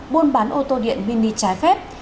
buôn bán ô tô điện mini trái phép